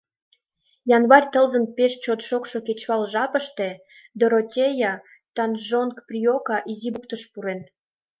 Январь тылзын пеш чот шокшо кечывал жапыште “Доротея” Танджонк-Приока изи бухтыш пурен.